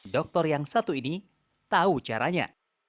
doktor yang satu ini tahu caranya